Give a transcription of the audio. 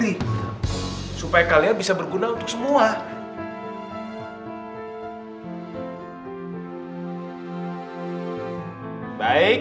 ustadz ingin kalian belajar untuk bisa bekerja sama dengan baik